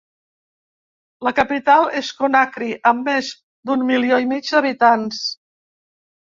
La capital és Conakry, amb més d'un milió i mig d'habitants.